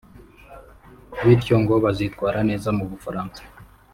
bityo ngo bazitwara neza mu Bufaransa